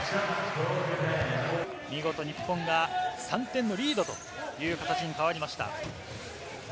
見事日本が３点のリードという形に変わりました。